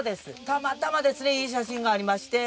たまたまですねいい写真がありまして